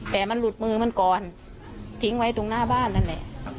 แต่มันหลุดมือมันก่อนทิ้งไว้ตรงหน้าบ้านนั่นแหละ